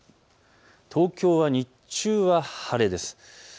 東京は日中は晴れです。